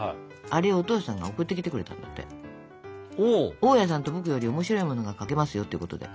「大家さんと僕」より面白いものが描けますよってことで。